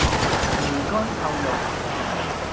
梅干扣肉